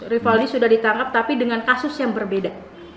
rivaldi sudah ditangkap tapi dengan kasus yang berbeda